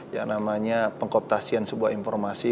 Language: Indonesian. yang namanya pengkoptasian sebuah informasi